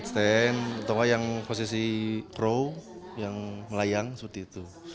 extend atau yang posisi crow yang melayang seperti itu